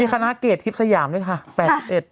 มีคณะเกรดทริปสยามด้วยค่ะ๘๑